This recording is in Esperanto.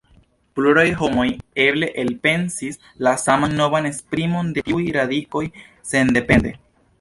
Pluraj homoj eble elpensis la saman novan esprimon de tiuj radikoj sendepende.